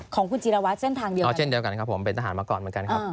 ของคุณจิรวัตรเส้นทางเดียวอ๋อเช่นเดียวกันครับผมเป็นทหารมาก่อนเหมือนกันครับ